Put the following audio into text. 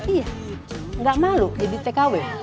iya gak malu jadi tkw